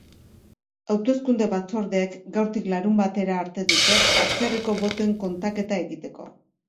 Hauteskunde batzordeek gaurtik larunbatera arte dute atzerriko botoen kontaketa egiteko.